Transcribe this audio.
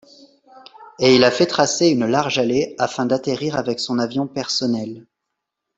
Et il a fait tracer une large allée afin d'atterrir avec son avion personnel.